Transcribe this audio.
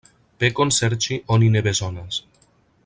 Pekon serĉi oni ne bezonas.